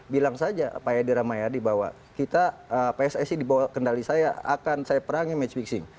bilang saja pak edi rahmayadi bahwa kita pssi di bawah kendali saya akan saya perangi match fixing